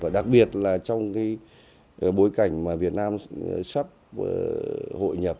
đặc biệt là trong cái bối cảnh mà việt nam sắp hội nhập